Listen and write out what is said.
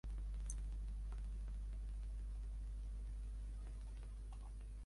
Голас роўны, лагодны, упэўнены, але без водгукаў пагрозы.